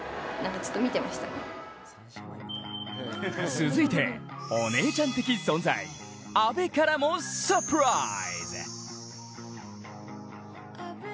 続いてお姉ちゃん的存在阿部からもサプライズ。